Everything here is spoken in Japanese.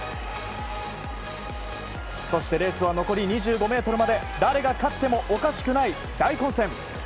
そしてレースは残り２５ｍまで誰が勝ってもおかしくない大混戦。